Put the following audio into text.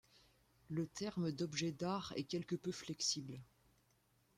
Le terme d’objet d’art est quelque peu flexible.